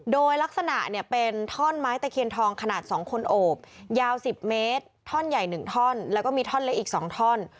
โดยลักษณะเนี่ยเป็นท่อนไม้ตะเคียนทองขนาด๒คนโอบยาว๑๐เมตรท่อนใหญ่๑ท่อนแล้วก็มีท่อนเล็กอีก๒ท่อน